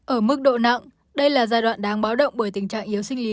ở mức độ nặng đây là giai đoạn đáng báo động bởi tình trạng yếu sinh lý